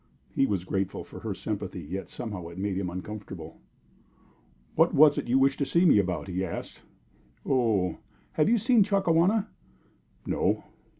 He was grateful for her sympathy, yet somehow it made him uncomfortable. "What was it you wished to see me about?" he asked. "Oh! Have you seen Chakawana?" "No."